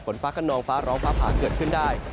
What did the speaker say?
ฝนฟ้าขนองฟ้าร้องฟ้าผ่าเกิดขึ้นได้